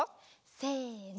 せの。